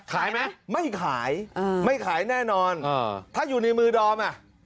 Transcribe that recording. ขายไหมไม่ขายไม่ขายแน่นอนถ้าอยู่ในมือดอมอ่ะ